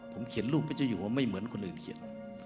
ผมเขียนรูปพระเจ้าอยู่ว่าไม่เหมือนคนอื่นเขียน